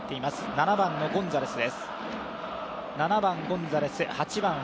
７番のゴンザレスです。